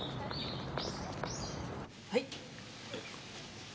はい。